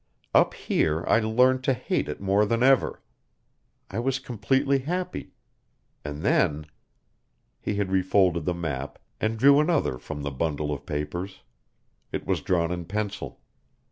Up here I learned to hate it more than ever. I was completely happy. And then " He had refolded the map, and drew another from the bundle of papers. It was drawn in pencil.